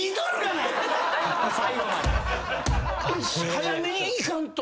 早めにいかんと。